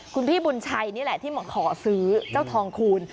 คุณพี่บุญชัยนี่แหละที่มาขอซื้อเจ้าทองคูณ